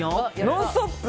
「ノンストップ！」